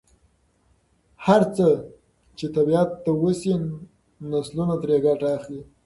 هره هڅه چې طبیعت ته وشي، نسلونه ترې ګټه اخلي.